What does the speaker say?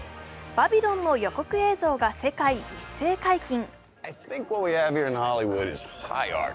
「バビロン」の予告映像が世界一斉解禁。